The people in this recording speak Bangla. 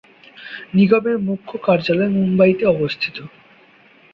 নিগমের মুখ্য কার্যালয় মুম্বাইতে অবস্থিত।